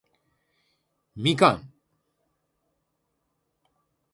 みかん